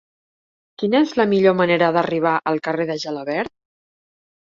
Quina és la millor manera d'arribar al carrer de Gelabert?